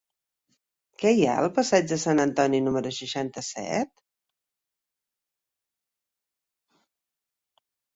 Què hi ha al passeig de Sant Antoni número seixanta-set?